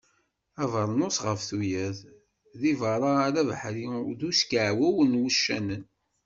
Abernus ɣef tuyat, deg berra ala abeḥri d uskiɛu n wuccanen.